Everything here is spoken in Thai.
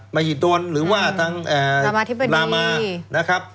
มหิตนหรือว่าทั้งลามา